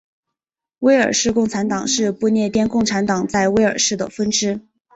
威尔士共产党是不列颠共产党在威尔士的分支。